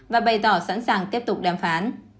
và bày tỏ sẵn sàng tiếp tục đàm phán